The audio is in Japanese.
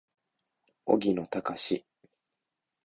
荻野貴司